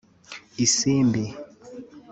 Isimbi